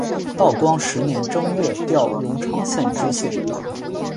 道光十年正月调荣昌县知县。